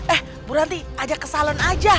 eh bu ranti ada kesalon aja